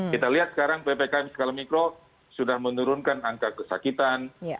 kita lihat sekarang ppkm skala mikro sudah menurunkan angka kesakitan